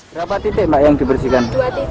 berapa titik yang dibersihkan